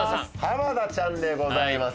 田ちゃんでございます。